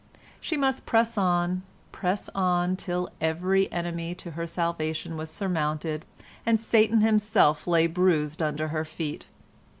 She must press on, press on, till every enemy to her salvation was surmounted and Satan himself lay bruised under her feet.